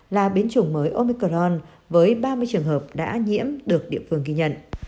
là biến chủng mới omicron với ba mươi trường hợp đã nhiễm được địa phương ghi nhận